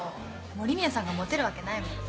森宮さんがモテるわけないもん。